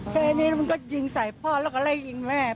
แค่นี้มันก็ยิงใส่พ่อแล้วก็ไล่ยิงแม่